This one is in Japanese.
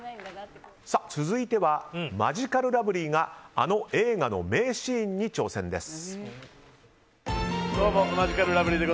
続いては、マヂカルラブリーがあの映画の名シーンに挑戦です。